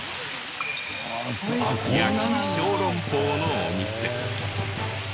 焼き小籠包のお店。